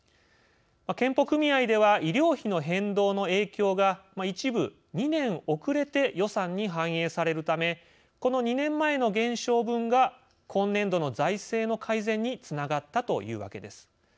健保組合では医療費の変動の影響が一部２年遅れて予算に反映されるためこの２年前の減少分が今年度の財政の改善につながったというわけです。